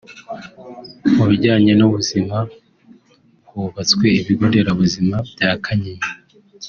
Mu bijyanye n’ubuzima hubatswe ibigo nderabuzima bya Kanyinya